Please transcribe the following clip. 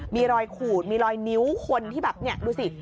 มีรอยขูดมีรอยนิ้วคนที่แบบเนี่ยดูสิ